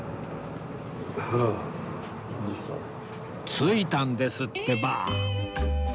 着いたんですってば！